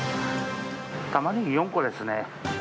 タマネギ４個ですね。